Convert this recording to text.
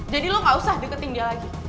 jadi lo gak usah deketin dia lagi